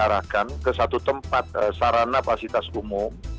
arahkan ke satu tempat sarana pasitas umum